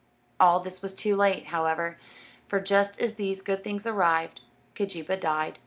All this was too late, however, for just as these good things arrived, Keejeepaa died.